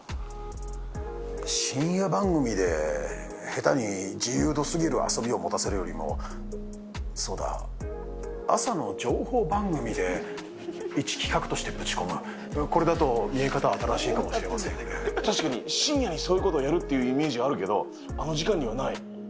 深夜番組で下手に自由度すぎる遊びを持たせるよりも、そうだ、朝の情報番組で一企画としてぶち込む、これだと見え方は新しいか確かに深夜にそういうことをやるっていうイメージはあるけど、あの時間にはない。